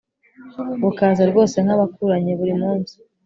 bukaza rwose nk'abakuranye buri munsi